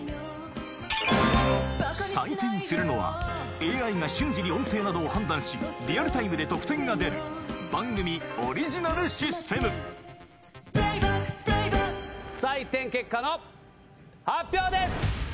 採点するのは ＡＩ が瞬時に音程などを判断しリアルタイムで得点が出る ＰｌａｙＢａｃｋＰｌａｙＢａｃｋ 採点結果の発表です！